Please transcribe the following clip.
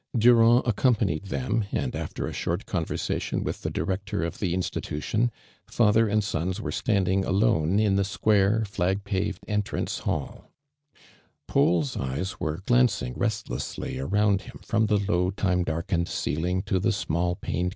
* Durand accompanied them, and after a .short conversation with the Director of the Institution, father and sons were stand ing alone in the.s(jnaie. tlag pavcd entrance hall, rani's eyes wcie glancing restlessly aroinid him, from the low, time darkened ceiling to the small paned.